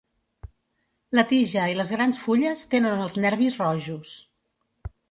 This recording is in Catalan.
La tija i les grans fulles tenen els nervis rojos.